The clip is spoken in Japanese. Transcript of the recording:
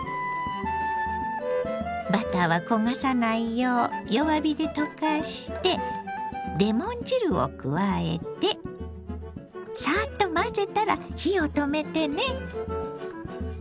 バターは焦がさないよう弱火で溶かしてレモン汁を加えてさっと混ぜたら火を止めてね。